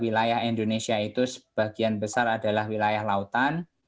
wilayah indonesia itu sebagian besar adalah wilayah lautan